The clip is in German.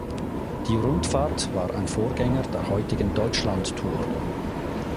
Die Rundfahrt war ein Vorgänger der heutigen Deutschland Tour.